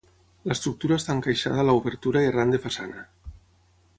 L'estructura està encaixada a l'obertura i arran de façana.